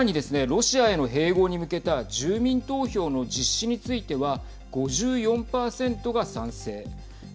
ロシアへの併合に向けた住民投票の実施については５４％が賛成。